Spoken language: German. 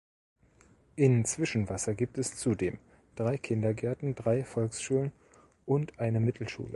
In Zwischenwasser gibt es zudem drei Kindergärten, drei Volksschulen und eine Mittelschule.